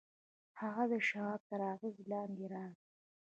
هغه د شواب تر اغېز لاندې راغی